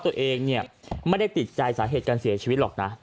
ตัวเองเนี่ยไม่ได้ติดใจสาเหตุการเสียชีวิตหรอกนะ